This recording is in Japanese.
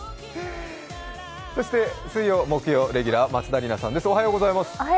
そして水曜、木曜レギュラー松田里奈さんです。